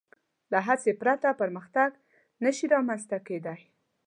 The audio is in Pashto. له هڅې پرته پرمختګ نهشي رامنځ ته کېدی.